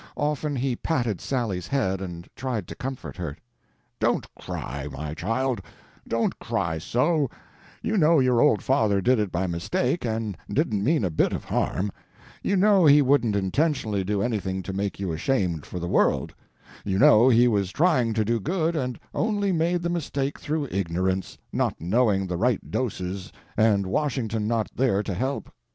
Often he patted Sally's head and tried to comfort her. "Don't cry, my child, don't cry so; you know your old father did it by mistake and didn't mean a bit of harm; you know he wouldn't intentionally do anything to make you ashamed for the world; you know he was trying to do good and only made the mistake through ignorance, not knowing the right doses and Washington not there to help.